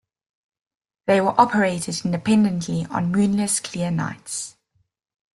They were operated independently on moonless clear nights.